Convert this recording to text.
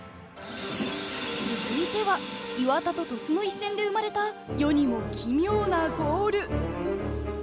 続いては磐田と鳥栖の一戦で生まれた世にも奇妙なゴール。